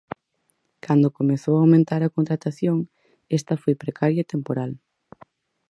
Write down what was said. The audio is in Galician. Cando comezou a aumentar a contratación, esta foi precaria e temporal.